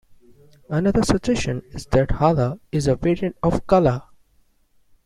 Another suggestion is that Halah is a variant of Calah.